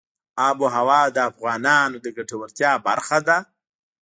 آب وهوا د افغانانو د ګټورتیا برخه ده.